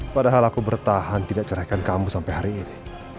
padahal aku bertahan tidak ceraikan kamu sampai hari ini